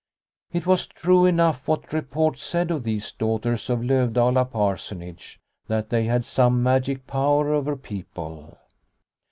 It was true enough what report said of these daughters of Lovdala Parsonage that they had some magic power over people.